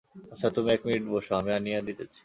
আচ্ছা তুমি এক মিনিট বোসো, আমি আনিয়া দিতেছি।